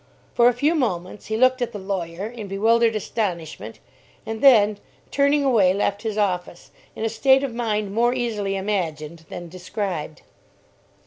For a few moments, he looked at the lawyer in bewildered astonishment, and then, turning away, left his office, in a state of mind more easily imagined than described.